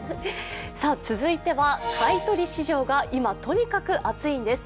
続いては買い取り市場が今、とにかく熱いんです。